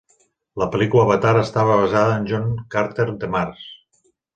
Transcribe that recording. La pel·lícula "Avatar" estava basada en John Carter de Mars.